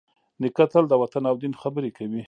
نیکه تل د وطن او دین خبرې کوي.